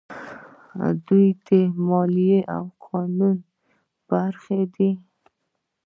دوی د مالیې او قانون په برخه کې دي.